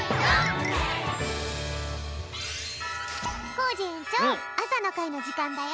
コージえんちょうあさのかいのじかんだよ。